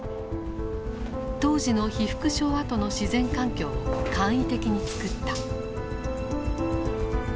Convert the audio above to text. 当時の被服廠跡の自然環境を簡易的に作った。